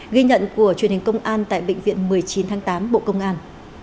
ghi nhận của truyền hình công an tại bệnh viện một mươi chín tháng tám bộ công an